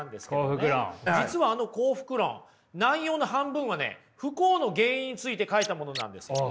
実はあの「幸福論」内容の半分はね不幸の原因について書いたものなんですよ。